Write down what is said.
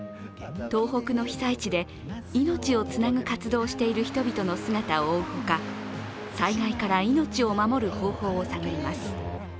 東北の被災地でいのちをつなぐ活動している人々の姿を追うほか災害からいのちを守る方法を探ります。